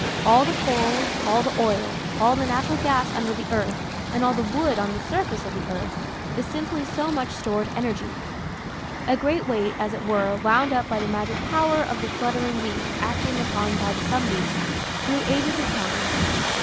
All the coal, all the oil, all the natural gas under the earth, and all the wood on the surface of the earth, is simply so much stored energy; a great weight, as it were, wound up by the magic power of the flutter ing leaf acted upon by the sunbeam, through ages of time.